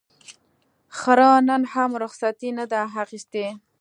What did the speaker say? خره نن هم رخصتي نه ده اخیستې.